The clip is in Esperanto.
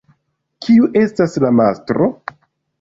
Kiu estas la mastro?